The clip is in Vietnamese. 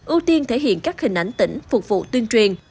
ưu tiên thể hiện các hình ảnh tỉnh phục vụ tuyên truyền